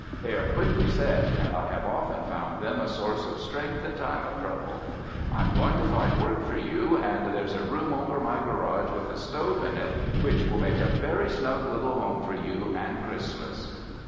"They are quickly said and I have often found them a source of strength in time of trouble. I am going to find work for you and there's a room over my garage with a stove in it which will make a very snug little home for you and Christmas."